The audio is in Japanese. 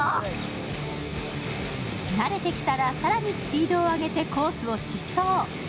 慣れてきたら、更にスピードを上げてコースを疾走。